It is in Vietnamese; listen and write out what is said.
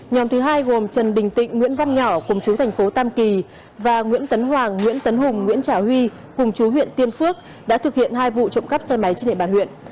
nhóm thứ hai gồm trần đình tịnh nguyễn văn nhỏ cùng chú thành phố tam kỳ và nguyễn tấn hoàng nguyễn tấn hùng nguyễn trả huy cùng chú huyện tiên phước đã thực hiện hai vụ trộm cắp xe máy trên địa bàn huyện